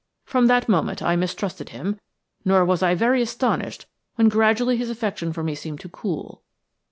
From that moment I mistrusted him, nor was I very astonished when gradually his affection for me seemed to cool.